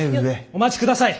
お待ちください。